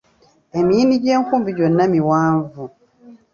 Emiyini gy’enkumbi gyonna miwanvu.